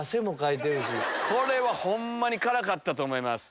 これはホンマに辛かったと思います。